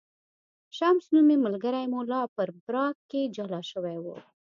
شمس نومی ملګری مو لا په پراګ کې جلا شوی و.